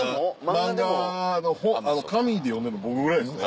漫画あの紙で読んでんの僕ぐらいですね。